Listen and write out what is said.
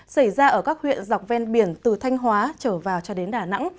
xảy ra ở các huyện dọc ven biển từ thanh hóa trở vào cho đến đà nẵng